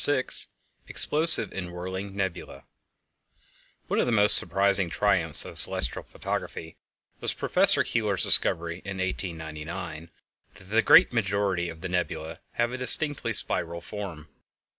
VI Explosive and Whirling Nebulæ One of the most surprising triumphs of celestial photography was Professor Keeler's discovery, in 1899, that the great majority of the nebulæ have a distinctly spiral form.